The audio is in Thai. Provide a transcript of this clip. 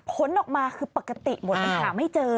พ้นออกมาคือปกติหมดหาไม่เจอ